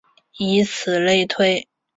以此类推。